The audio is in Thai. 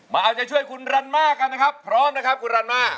มาเอาใจช่วยคุณรันม่ากันนะครับพร้อมนะครับคุณรันมา